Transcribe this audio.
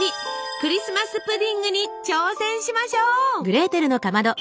クリスマス・プディングに挑戦しましょう！